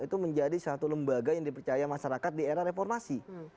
itu menjadi satu lembaga yang dipercaya masyarakat di era reformasi